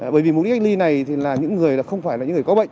bởi vì mục đích cách ly này thì là những người không phải là những người có bệnh